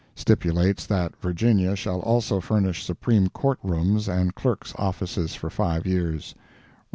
[Stipulates that Virginia shall also furnish Supreme Court rooms and Clerk's offices for five years.